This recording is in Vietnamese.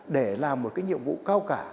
để làm một cái nhiệm vụ cao cả